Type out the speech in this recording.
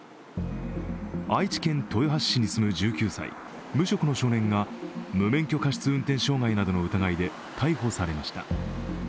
愛知県豊橋市に住む１９歳無職の少年が無免許過失運転傷害などの疑いで逮捕されました。